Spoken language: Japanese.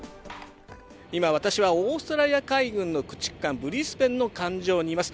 今、私はオーストラリア海軍の駆逐艦「ブリスベン」の艦上にいます。